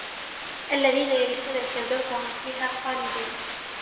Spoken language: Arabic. الَّذِينَ يَرِثُونَ الْفِرْدَوْسَ هُمْ فِيهَا خَالِدُونَ